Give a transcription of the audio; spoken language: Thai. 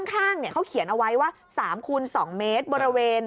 ข้างเขาเขียนเอาไว้ว่า๓คูณ๒เมตรบริเวณ